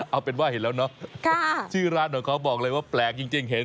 เอาเป็นว่าเห็นแล้วเนาะชื่อร้านของเขาบอกเลยว่าแปลกจริงเห็น